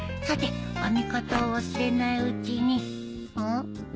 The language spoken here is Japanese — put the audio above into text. さて編み方を忘れないうちに。